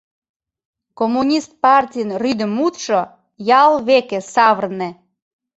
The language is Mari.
Коммунист партийын рӱдӧ мутшо: «Ял веке савырне!»